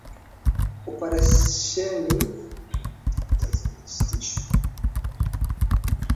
Oparesheni za zimesitishwa kwa sababu zilikuwa zikifanya kazi kinyume cha sheria